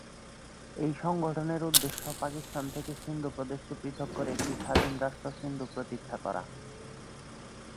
এই সংগঠনের উদ্দেশ্য পাকিস্তান থেকে সিন্ধু প্রদেশকে পৃথক করে একটি স্বাধীন রাষ্ট্র সিন্ধু দেশ প্রতিষ্ঠা করা।